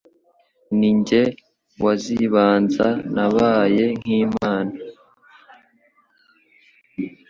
Ni jye wazibanza, Nabaye nk’Imana